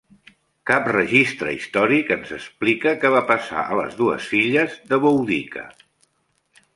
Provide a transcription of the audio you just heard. Cap registre històric ens explica què va passar a les dues filles de Boudica.